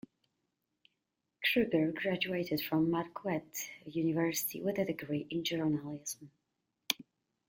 Krueger graduated from Marquette University with a degree in journalism.